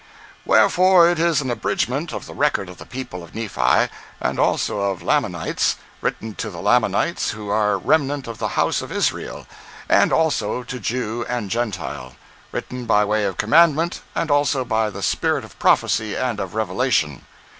Wherefore it is an abridgment of the record of the people of Nephi, and also of the Lamanites; written to the Lamanites, who are a remnant of the House of Israel; and also to Jew and Gentile; written by way of commandment, and also by the spirit of prophecy and of revelation.